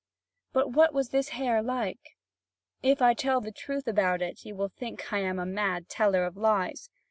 But what was this hair like? If I tell the truth about it, you will think I am a mad teller of lies.